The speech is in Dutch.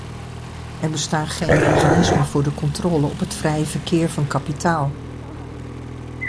Er bestaan geen mechanismen voor de controle op het vrije verkeer van kapitaal.